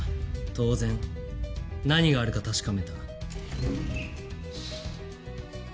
当然何があるか確かめた。